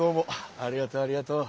ありがとうありがとう。